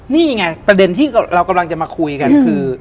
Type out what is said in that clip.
นี่ไงประเด็นที่เรากำลังจะมาคุยกันคือ